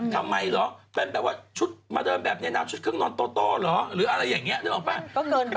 ทำไมเหรอเป็นแบบว่าชุดมาเดินแบบในนามชุดเครื่องนอนโต้เหรอหรืออะไรอย่างนี้นึกออกป่ะ